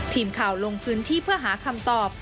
ทีมข่าวลงพื้นที่เพื่อหาคำตอบ